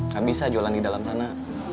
gak bisa jualan di dalam sana